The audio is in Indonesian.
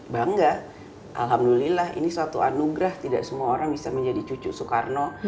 bangga alhamdulillah ini suatu anugerah tidak semua orang bisa menjadi cucu soekarno